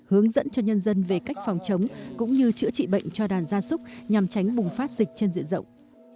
hướng dẫn cho nhân dân về cách phòng chống cũng như chữa trị bệnh cho đàn gia súc nhằm tránh bùng phát dịch trên diện rộng